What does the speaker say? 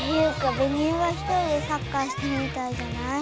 ベニオがひとりでサッカーしてるみたいじゃない？